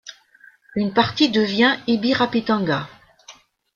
Une partie devient Ibirapitanga.